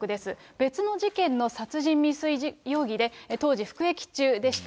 別の事件の殺人未遂容疑で当時、服役中でした。